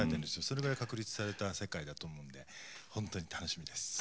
それぐらい確立された世界だと思うので本当に楽しみです。